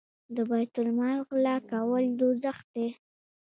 د بیت المال غلا کول دوزخ دی.